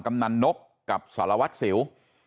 กำนันนกกับสารวัตรสิว